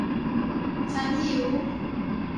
"ฉันหิว !"